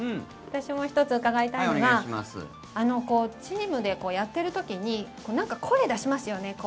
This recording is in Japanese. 私も１つ伺いたいのがチームでやっている時に声を出しますよね。